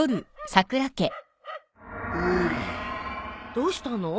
どうしたの？